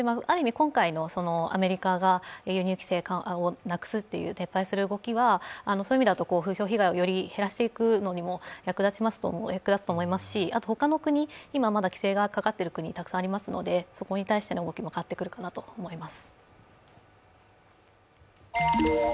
今回のアメリカが輸入規制を撤廃する動きは風評被害をより減らしていくのにも役立つと思いますし他の国、今まだ規制がかかっている国がたくさんあるのでそこに対しての動きも変わってくるかなと思います。